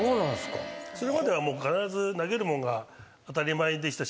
それまでは必ず投げるもんが当たり前でしたし